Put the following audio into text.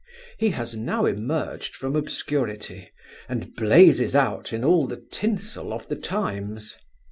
He has now emerged from obscurity, and blazes out in all the tinsel of the times.